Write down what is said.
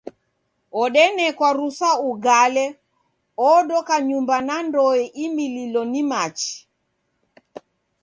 Ondanekwa rusa ugale, odoka nyumba na ndoe imililo ni machi.